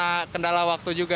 karena kendala waktu juga